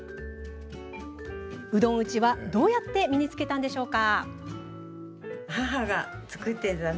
うどん打ちはどうやって身につけたのでしょうか？